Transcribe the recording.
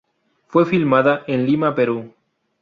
Fue filmada en Lima, Perú.